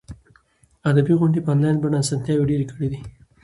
ادبي غونډې په انلاین بڼه اسانتیاوې ډېرې کړي دي.